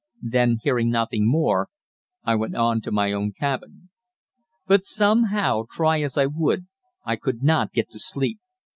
Then, hearing nothing more, I went on to my own cabin. But somehow, try as I would, I could not get to sleep.